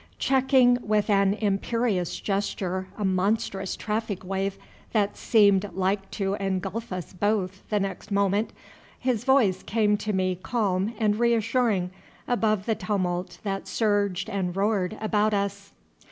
Checking with an imperious gesture a monstrous traffic wave that seemed like to engulf us both the next moment, his voice came to me calm and reassuring above the tumult that surged and roared about us.